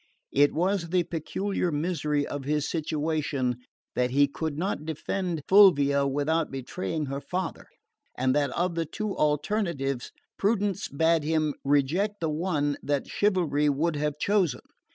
It was the peculiar misery of his situation that he could not defend Fulvia without betraying her father, and that of the two alternatives prudence bade him reject the one that chivalry would have chosen.